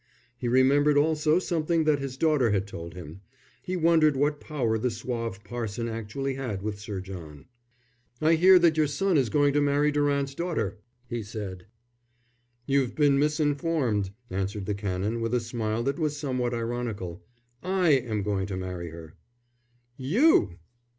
He remembered also something that his daughter had told him; he wondered what power the suave parson actually had with Sir John. "I hear that your son is going to marry Durant's daughter," he said, slowly. "You've been misinformed," answered the Canon, with a smile that was somewhat ironical. "I am going to marry her." "You!"